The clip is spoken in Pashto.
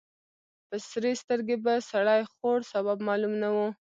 په سرې سترګې به سړی خوړ. سبب معلوم نه و.